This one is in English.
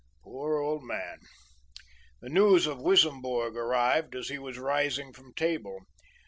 Poor old man! The news of Wissembourg arrived as he was rising from table.